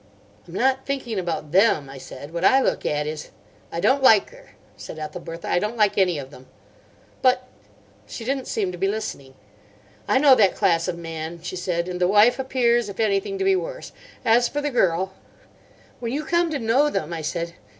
"I'm not thinking about them," I said. "What I look at is—" "I don't like her," said Ethelbertha. "I don't like any of them." "But—" She didn't seem to be listening. "I know that class of man," she said; "and the wife appears, if anything, to be worse. As for the girl—" "When you come to know them—" I said.